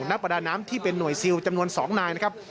นักประดาน้ำที่เป็นหน่วยซิลจำนวน๒นายนะครับ